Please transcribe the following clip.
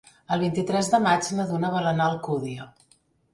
El vint-i-tres de maig na Duna vol anar a Alcúdia.